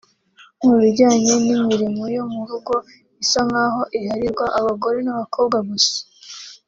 mu bijyanye n’imirimo yo mu rugo isa nkaho iharirwa abagore n’abakobwa gusa